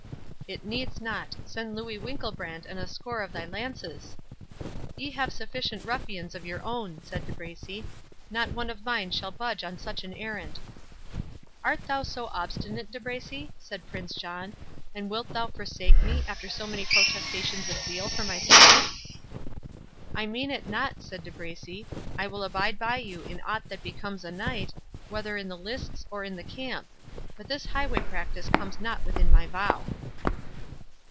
"It needs not—send Louis Winkelbrand and a score of thy lances." "Ye have sufficient ruffians of your own," said De Bracy; "not one of mine shall budge on such an errand." "Art thou so obstinate, De Bracy?" said Prince John; "and wilt thou forsake me, after so many protestations of zeal for my service?" "I mean it not," said De Bracy; "I will abide by you in aught that becomes a knight, whether in the lists or in the camp; but this highway practice comes not within my vow."